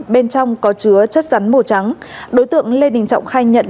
bên trong có chứa chất rắn màu trắng đối tượng lê đình trọng khai nhận